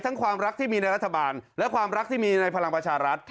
ความรักที่มีในรัฐบาลและความรักที่มีในพลังประชารัฐ